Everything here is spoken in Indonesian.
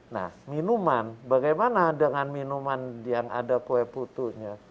nah minuman bagaimana dengan minuman yang ada kue putunya